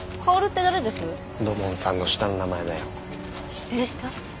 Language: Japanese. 知ってる人？